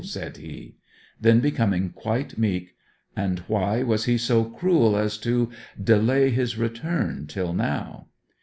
said he. Then, becoming quite meek, 'And why was he so cruel as to delay his return till now?'